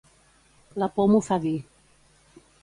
La por m'ho fa dir.